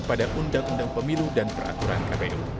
pada undang undang pemilu dan peraturan kpu